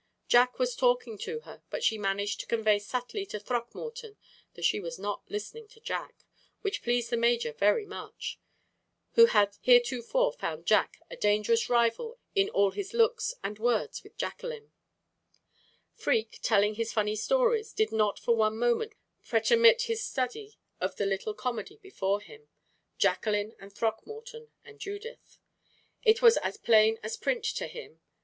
Jack was talking to her, but she managed to convey subtly to Throckmorton that she was not listening to Jack, which pleased the major very much, who had heretofore found Jack a dangerous rival in all his looks and words with Jacqueline. Freke, telling his funny stories, did not for one moment pretermit his study of the little comedy before him Jacqueline and Throckmorton and Judith. It was as plain as print to him.